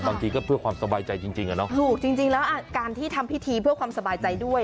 บางทีก็เพื่อความสบายใจจริงจริงอ่ะเนอะถูกจริงจริงแล้วอ่ะการที่ทำพิธีเพื่อความสบายใจด้วย